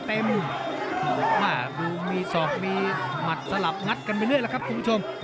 มาดูมีศอกมีหมัดสลับงัดกันไปเรื่อยแล้วครับคุณผู้ชม